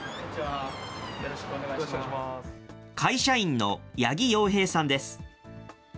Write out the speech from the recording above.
会社員の八木陽平さんです。